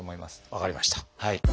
分かりました。